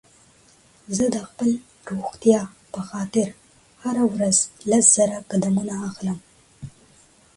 زه د خپلې روغتيا په خاطر هره ورځ لس زره قدمه اخلم